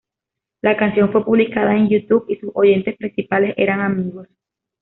La canción fue publicada en YouTube y sus oyentes principales eran amigos.